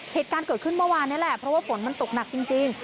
เหตุการณ์เกิดขึ้นเมื่อวานนี้แหละเพราะว่าฝนมันตกหนักจริง